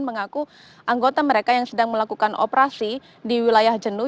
mengaku anggota mereka yang sedang melakukan operasi di wilayah jenuh